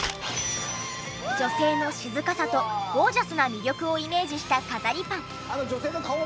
女性の静かさとゴージャスな魅力をイメージした飾りパン。